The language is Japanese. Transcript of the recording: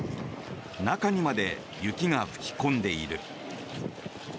中にまで雪が吹き込んでいる。